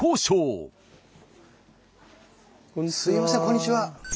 すいませんこんにちは。